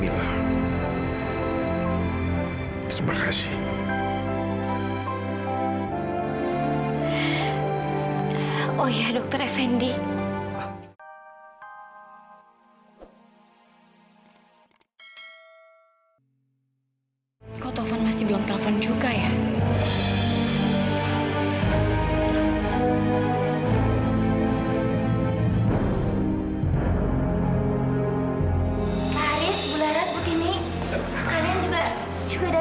sampai jumpa di video selanjutnya